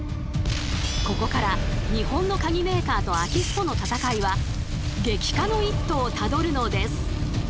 ここから日本のカギメーカーと空き巣との戦いは激化の一途をたどるのです。